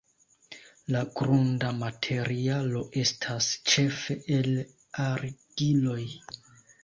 La grunda materialo estas ĉefe el argiloj.